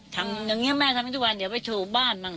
ทำแบบนี้แม่ทำอย่างนี้ทุกวันเดี๋ยวไปชูบ้านบ้าง